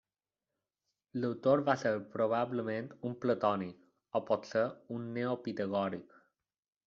L'autor va ser probablement un platònic, o potser un neopitagòric.